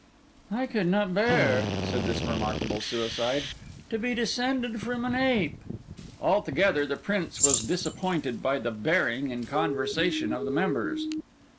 "I could not bear," said this remarkable suicide, "to be descended from an ape." Altogether, the Prince was disappointed by the bearing and conversation of the members.